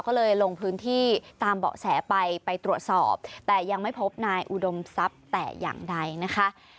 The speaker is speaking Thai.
ก็เลยลงพื้นที่ตามเบาะแสไปไปตรวจสอบแต่ยังไม่พบนายอุดมทรัพย์แต่อย่างใดนะคะ